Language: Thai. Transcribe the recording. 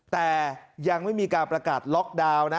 แต่ยังไม่มีการประกาศล็อกดาวน์นะ